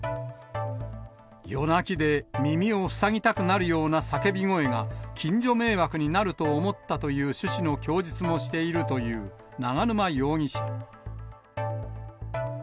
夜泣きで、耳を塞ぎたくなるような叫び声が近所迷惑になると思ったという趣旨の供述もしているという永沼容疑者。